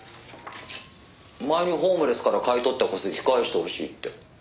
「前にホームレスから買い取った戸籍返してほしいって」